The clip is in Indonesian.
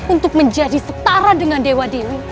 untuk menjadi setara dengan dewa dewi